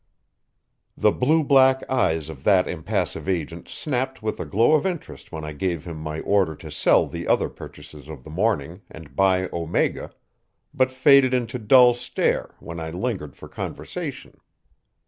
The blue black eyes of that impassive agent snapped with a glow of interest when I gave him my order to sell the other purchases of the morning and buy Omega, but faded into a dull stare when I lingered for conversation.